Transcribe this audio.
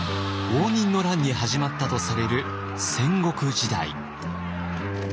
応仁の乱に始まったとされる戦国時代。